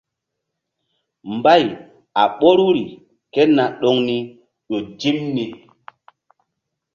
Mbay a ɓoruri ké na ɗoŋ ni ƴo dim ni.